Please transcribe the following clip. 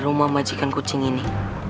rumah majikan kucing ini